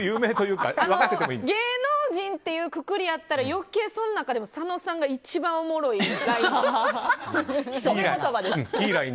芸能人というくくりやったら、余計その中でも佐野さんが一番おもろいライン。